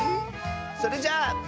それじゃあ。